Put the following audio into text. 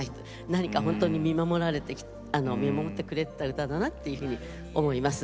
何か本当に見守ってくれてた歌だなっていうふうに思います。